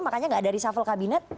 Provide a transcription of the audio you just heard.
makanya gak ada reshuffle kabinet